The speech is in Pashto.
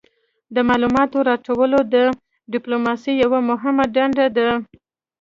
د معلوماتو راټولول د ډیپلوماسي یوه مهمه دنده ده